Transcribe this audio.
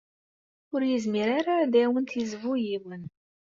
Ur yezmir ara ad awent-yezbu yiwen.